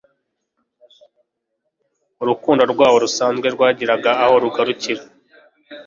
Urukundo rwabo rusanzwe rwagiraga aho rugarukira,